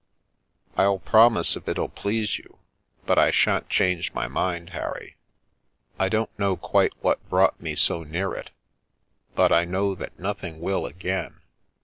I'll promise if it'll please you, but I sha'n't change my mind, Harry. I don't know quite what brought me so near it, but I know that nothing will again.